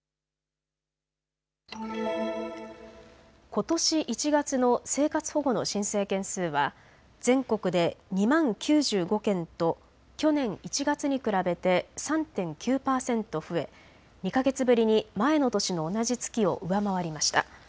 ことし１月の生活保護の申請件数は全国で２万９５件と去年１月に比べて３．９％増え２か月ぶりに前の年の同じ月を上回りました。